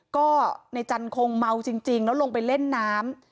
ก็ในจันทร์คงเมาจริงแล้วลงไปเล่นน้ำ